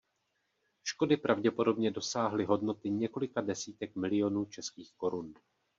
Škody pravděpodobně dosáhly hodnoty několika desítek milionů českých korun.